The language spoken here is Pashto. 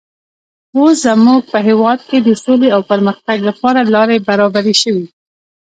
اوس زموږ په هېواد کې د سولې او پرمختګ لپاره لارې برابرې شوې.